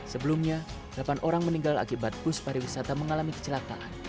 sebelumnya delapan orang meninggal akibat bus pariwisata mengalami kecelakaan